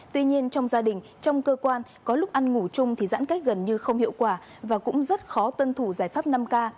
tuy nhiên trong gia đình trong cơ quan có lúc ăn ngủ chung thì giãn cách gần như không hiệu quả và cũng rất khó tuân thủ giải pháp năm k